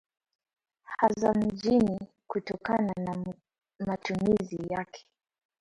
hasa mijini, kutokana na matumizi yake